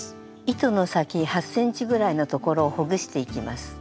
糸の先８ｃｍぐらいのところをほぐしていきます。